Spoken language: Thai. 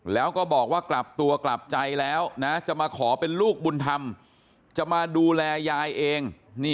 แล้วก็บอกว่ากลับตัวกลับใจแล้วนะจะมาขอเป็นลูกบุญธรรมจะมาดูแลยายเอง